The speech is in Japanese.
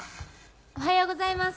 おはようございます